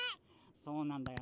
そうなんだよな。